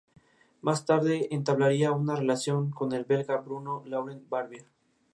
Las bóvedas están decoradas con pinturas al fresco de motivos florales y escudos franciscanos.